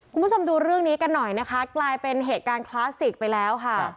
คุณผู้ชมดูเรื่องนี้กันหน่อยนะคะกลายเป็นเหตุการณ์คลาสสิกไปแล้วค่ะ